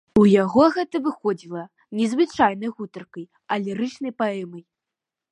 У яго гэта выходзіла не звычайнай гутаркай, а лірычнай паэмай.